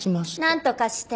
なんとかして。